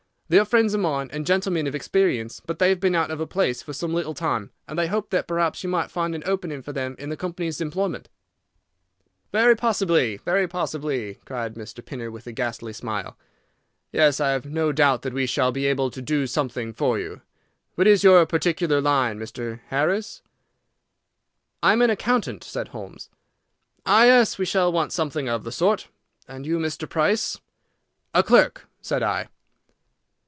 "They are friends of mine and gentlemen of experience, but they have been out of a place for some little time, and they hoped that perhaps you might find an opening for them in the company's employment." "Very possibly! Very possibly!" cried Mr. Pinner with a ghastly smile. "Yes, I have no doubt that we shall be able to do something for you. What is your particular line, Mr. Harris?" "I am an accountant," said Holmes. "Ah yes, we shall want something of the sort. And you, Mr. Price?" "A clerk," said I.